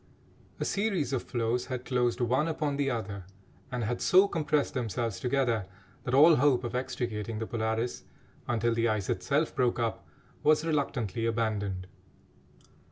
A series of floes had closed one upon the other, and had so compressed themselves together, that all hope of extricating the Polaris until the ice itself broke up was reluctantly abandoned.